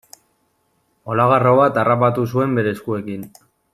Olagarro bat harrapatu zuen bere eskuekin.